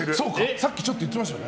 さっきちょっと言ってましたね。